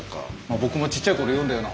僕もちっちゃい頃読んだような本が。